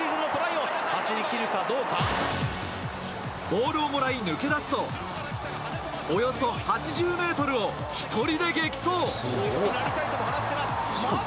ボールをもらい抜け出すとおよそ８０ｍを１人で激走！